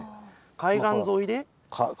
海岸沿いで？